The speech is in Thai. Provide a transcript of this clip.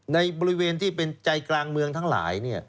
ในบริเวณที่เป็นใจกลางเมืองทั้งหลาย